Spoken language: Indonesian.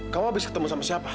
kamu habis ketemu sama siapa